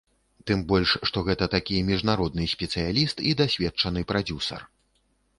Тым больш, што гэта такі міжнародны спецыяліст і дасведчаны прадзюсар.